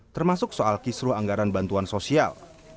termasuk soal kisru anggaran bantuan sosial